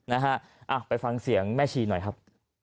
นะฮะไปฟังเสียงแม่ชีหน่อยครับ